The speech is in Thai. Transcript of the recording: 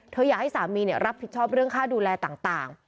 อยากให้สามีรับผิดชอบเรื่องค่าดูแลต่าง